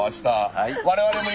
はい。